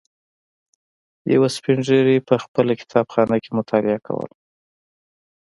یوه سپین ږیري په خپل کتابخانه کې مطالعه کوله.